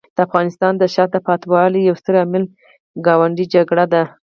د افغانستان د شاته پاتې والي یو ستر عامل ګاونډي جګړې دي.